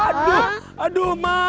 aduh aduh mana